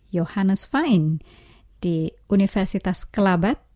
johannes fein di universitas kelabat